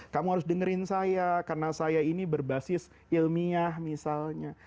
kamu harus dengerin saya karena saya ini berbasis ilmiah misalnya